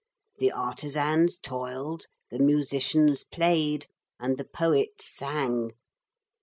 The artisans toiled, the musicians played, and the poets sang.